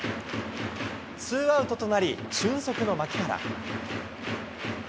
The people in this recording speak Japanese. ツーアウトとなり、俊足の牧原。